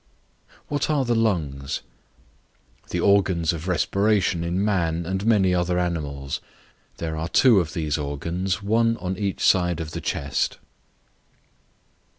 What are the Lungs? The organs of respiration in man and many other animals. There are two of these organs, one on each side of the chest.